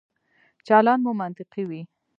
چلند مو منطقي وي.